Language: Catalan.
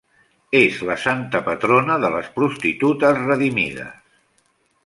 És la santa patrona de les prostitutes redimides.